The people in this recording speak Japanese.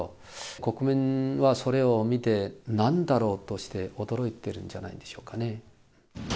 国民はそれを見て、なんだろうとして驚いているんじゃないでしょうかね。